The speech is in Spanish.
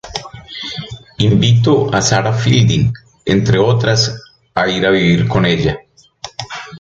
Invitó a Sarah Fielding, entre otras, a ir a vivir con ella.